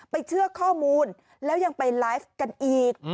เชื่อข้อมูลแล้วยังไปไลฟ์กันอีก